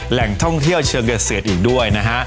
แหล่งท่องเที่ยวเชิงเกษตรอีกด้วยนะฮะ